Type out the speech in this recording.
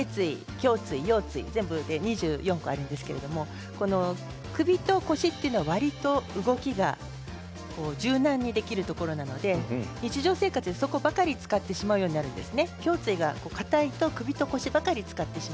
胸椎、腰椎全部で２４あるんですけど首と腰は、わりと動きが柔軟にできるところなので日常生活でそこばかり使ってしまうようになるんです。